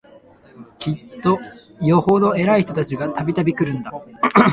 きっとよほど偉い人たちが、度々来るんだ